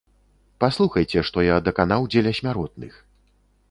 Паслухайце, што я даканаў дзеля смяротных.